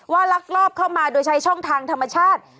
ลักลอบเข้ามาโดยใช้ช่องทางธรรมชาติ